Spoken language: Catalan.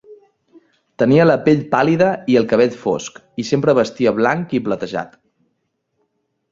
Tenia la pell pàl·lida i el cabell fosc, i sempre vestia blanc i platejat.